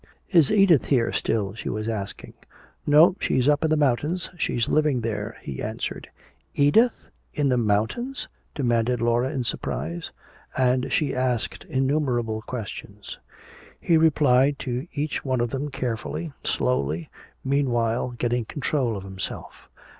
"Is Edith here still?" she was asking. "No, she's up in the mountains. She's living there," he answered. "Edith? In the mountains?" demanded Laura, in surprise. And she asked innumerable questions. He replied to each one of them carefully, slowly, meanwhile getting control of himself.